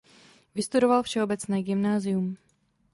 Vystudoval všeobecné gymnázium.